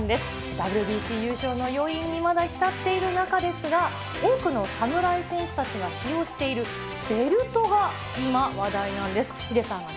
ＷＢＣ優勝の余韻にまだ浸っている中ですが、多くの侍戦士たちが使用しているベルトが今、話題なんです。